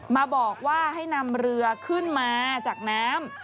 มาบอกว่าให้นำเรือขึ้นมาจากน้ำ